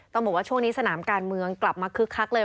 บอกว่าช่วงนี้สนามการเมืองกลับมาคึกคักเลย